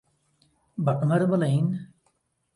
بە عومەر بڵێین؟